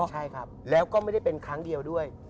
ใช่ครับแล้วก็ไม่ได้เป็นครั้งเดียวด้วย